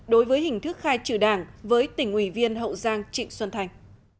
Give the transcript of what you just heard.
đối với hình thức khai trừ đảng với tỉnh ủy viên hậu giang trịnh xuân thành